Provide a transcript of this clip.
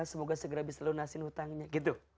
semoga segera bisa lu leluhurin hutangnya gitu